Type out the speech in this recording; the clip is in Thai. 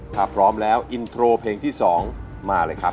ถ้าพร้อมแล้วอินโทรเพลงที่๒มาเลยครับ